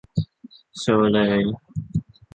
โชว์เลย